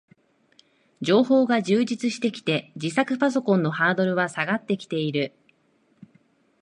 情報が充実してきて、自作パソコンのハードルは下がってきている